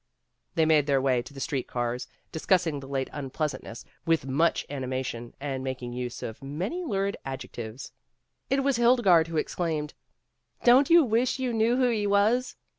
They made their way to the street cars, dis cussing the late unpleasantness with much ani mation and making use of many lurid adjec tives. It was Hildegarde who exclaimed, "Don't you wish you knew who he was?"